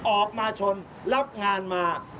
ออกมาชนรับงานมา